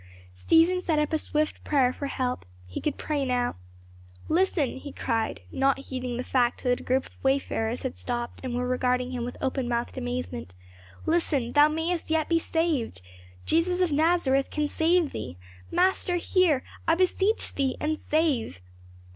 Stephen sent up a swift prayer for help; he could pray now. "Listen!" he cried, not heeding the fact that a group of wayfarers had stopped and were regarding him with open mouthed amazement. "Listen thou mayest yet be saved. Jesus of Nazareth can save thee! Master, hear I beseech thee and save!"